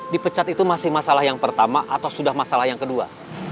dipecat itu masih masalah yang pertama atau sudah masalah yang kedua